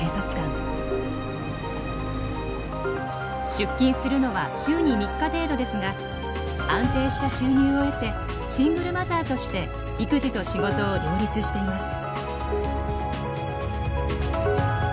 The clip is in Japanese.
出勤するのは週に３日程度ですが安定した収入を得てシングルマザーとして育児と仕事を両立しています。